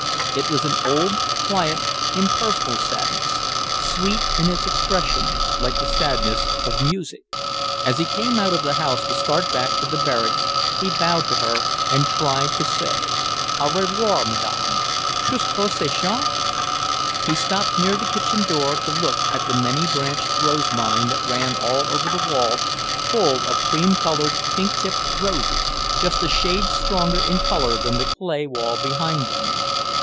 It was an old, quiet, impersonal sadness, sweet in its expression, like the sadness of music. As he came out of the house to start back to the barracks, he bowed to her and tried to say, "Au revoir, Madame. Jusq' au ce soir." He stopped near the kitchen door to look at a many branched rose vine that ran all over the wall, full of cream coloured, pink tipped roses, just a shade stronger in colour than the clay wall behind them.